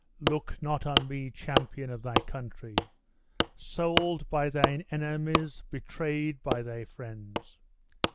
Look not on me, champion of thy country! Sold by thine enemies betrayed by thy friends!